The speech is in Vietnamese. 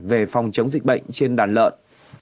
về phòng chống dịch bệnh trên đàn lợn